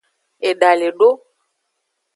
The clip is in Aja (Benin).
Eda le do.